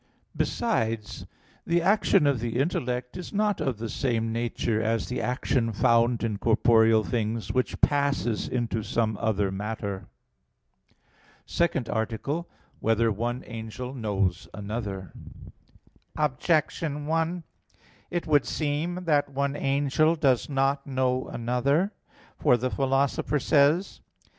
Besides the action of the intellect is not of the same nature as the action found in corporeal things, which passes into some other matter. _______________________ SECOND ARTICLE [I, Q. 56, Art. 2] Whether One Angel Knows Another? Objection 1: It would seem that one angel does not know another. For the Philosopher says (De Anima iii, text.